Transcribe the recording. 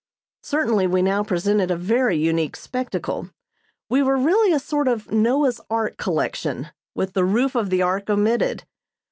Certainly we now presented a very unique spectacle. We were really a sort of Noah's Ark collection, with the roof of the Ark omitted.